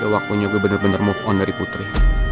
waktunya gue bener bener move on dari putri